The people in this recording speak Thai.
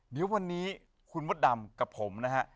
เดี๋ยววันนี้คุณมดดำกับผมนะฮะ